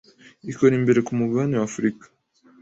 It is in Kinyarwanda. ikora imbere ku mugabane wa Afurika